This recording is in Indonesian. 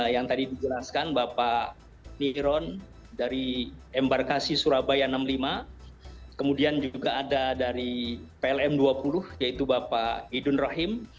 yang tadi dijelaskan bapak niron dari embarkasi surabaya enam puluh lima kemudian juga ada dari plm dua puluh yaitu bapak idun rahim